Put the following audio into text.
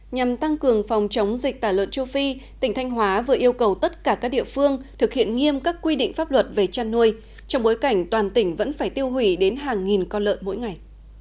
nhằm tăng cường phòng chống dịch tả lợn châu phi tỉnh thanh hóa vừa yêu cầu tất cả các địa phương thực hiện nghiêm các quy định pháp luật về chăn nuôi trong bối cảnh toàn tỉnh vẫn phải tiêu hủy đến hàng nghìn con lợn mỗi ngày